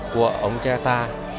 của ông cha ta